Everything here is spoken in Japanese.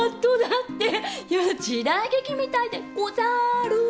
時代劇みたいでござる。